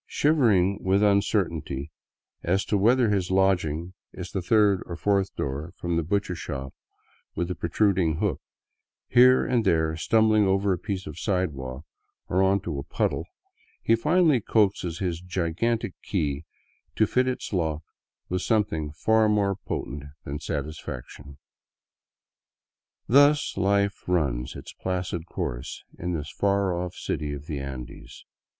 Shivering with uncertainty as to whether his lodging is the 196 THROUGH SOUTHERN ECUADOR third or the fourth door from the butchershop with the protruding hook, here and there stumbHng over a piece of sidewalk or into a puddle, he finally coaxes his gigantic key to fit its lock with some thing far more potent than satisfaction. Thus life runs its placid course in this far off city of the Andes.